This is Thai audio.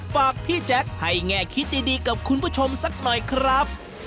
ฝากพี่แจ๊คให้แง่คิดดีกับคุณผู้ชมสักหน่อยครับ